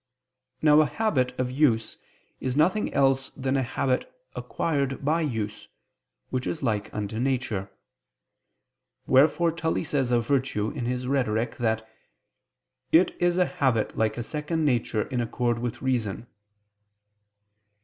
Now a habit of use is nothing else than a habit acquired by use, which is like unto nature. Wherefore Tully says of virtue in his Rhetoric that "it is a habit like a second nature in accord with reason."